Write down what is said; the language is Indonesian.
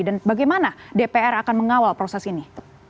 dan bagaimana dpr akan mengawal proses ini